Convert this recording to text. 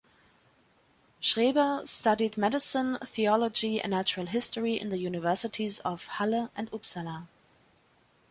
Schreber studied Medicine, Theology and Natural History in the Universities of Halle and Uppsala.